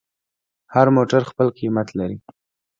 هر موټر خپل قیمت لري.